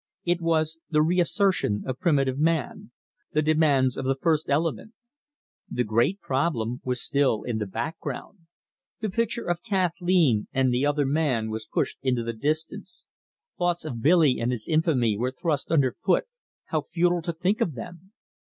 It was the reassertion of primitive man, the demands of the first element. The great problem was still in the background. The picture of Kathleen and the other man was pushed into the distance; thoughts of Billy and his infamy were thrust under foot how futile to think of them!